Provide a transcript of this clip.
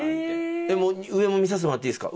上も見させてもらっていいですか？